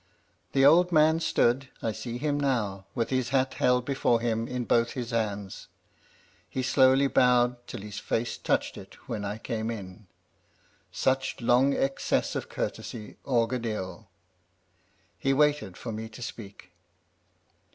" The old man stood — I see him now — with his hat held before him in both his hands ; he slowly bowed till his face touched it when I came ia Such long excess of courtesy augured ill. He waited for me to speak.